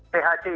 thc itu bukan